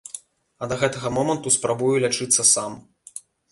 А да гэтага моманту спрабую лячыцца сам.